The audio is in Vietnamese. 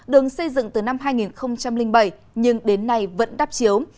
đường xây dựng từ năm hai nghìn bảy nhưng đến nay vẫn đắp chiếu